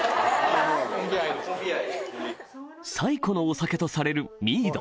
最古のお酒とされるミード